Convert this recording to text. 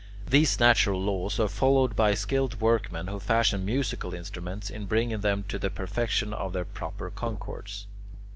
These natural laws are followed by the skilled workmen who fashion musical instruments, in bringing them to the perfection of their proper concords.